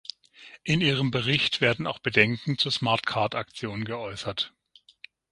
In Ihrem Bericht werden auch Bedenken zur Smart-Card-Aktion geäußert.